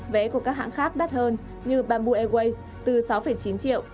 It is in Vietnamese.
vé của các hãng khác đắt hơn như bamboo airways từ sáu chín triệu